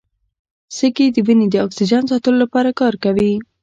سږي د وینې د اکسیجن ساتلو لپاره کار کوي.